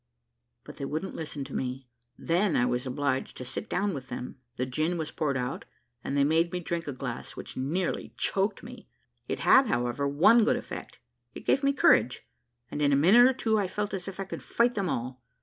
but they wouldn't listen to me. Then I was obliged to sit down with them, the gin was poured out, and they made me drink a glass, which nearly choked me. It had, however, one good effect, it gave me courage, and in a minute or two, I felt as if I could fight them all.